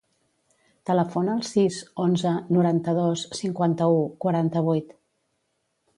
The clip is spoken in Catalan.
Telefona al sis, onze, noranta-dos, cinquanta-u, quaranta-vuit.